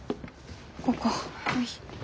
ここ。